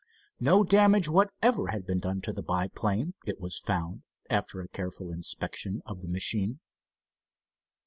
No damage whatever had been done to the biplane, it was found, after a careful inspection of the machine.